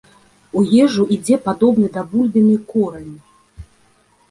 У ежу ідзе падобны да бульбіны корань.